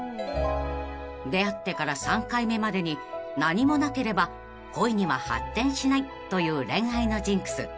［出会ってから３回目までに何もなければ恋には発展しないという恋愛のジンクス］